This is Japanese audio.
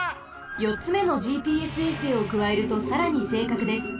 よっつめのＧＰＳ衛星をくわえるとさらにせいかくです。